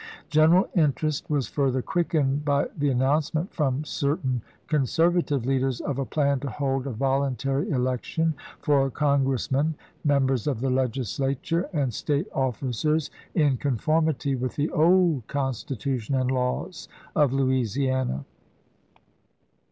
Greneral interest was further quickened by the announcement from cer tain conservative leaders of a plan to hold a volun tary election for Congressmen, members of the Legislature, and State officers in conformity with the old Constitution and laws of Louisiana.